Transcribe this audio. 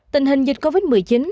tình hình dịch covid một mươi chín